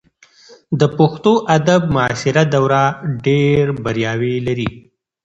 د پښتو ادب معاصره دوره ډېر بریاوې لري.